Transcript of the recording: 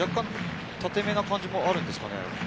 縦めの感じもあるんですか？